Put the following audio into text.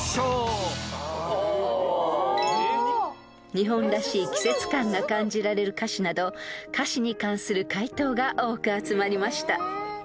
［「日本らしい季節感が感じられる歌詞」など歌詞に関する回答が多く集まりました］